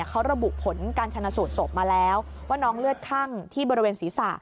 เขาระบุผลการชนะสูตรศพมาแล้วว่าน้องเลือดคั่งที่บริเวณศีรษะ